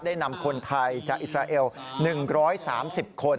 นำคนไทยจากอิสราเอล๑๓๐คน